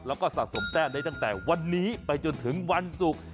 แล้วก็สะสมแต้มได้ตั้งแต่วันนี้ไปจนถึงวันศุกร์